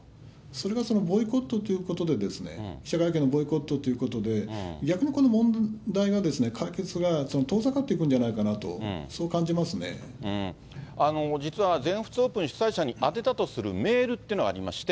それがボイコットということで、記者会見のボイコットということで、逆に、この問題が、解決が遠ざかっていくんじゃないかなと、そう実は、全仏オープン主催者に宛てたとするメールっていうのがありまして。